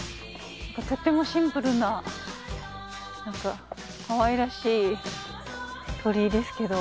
とてもシンプルななんかかわいらしい鳥居ですけど。